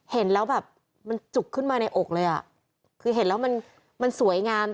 เห็นแล้วแบบมันจุกขึ้นมาในอกเลยอ่ะคือเห็นแล้วมันมันสวยงาม